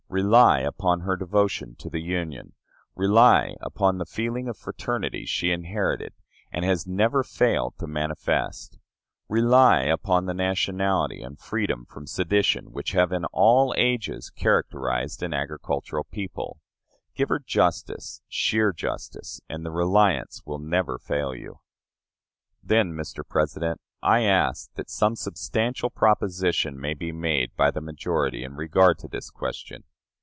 Rely upon her devotion to the Union, rely upon the feeling of fraternity she inherited and has never failed to manifest; rely upon the nationality and freedom from sedition which have in all ages characterized an agricultural people; give her justice, sheer justice, and the reliance will never fail you. Then, Mr. President, I ask that some substantial proposition may be made by the majority in regard to this question.